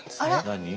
何？